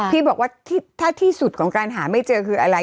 พี่บอกว่าถ้าที่สุดของการหาไม่เจอคืออะไร